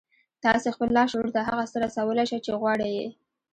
تاسې خپل لاشعور ته هغه څه رسولای شئ چې غواړئ يې.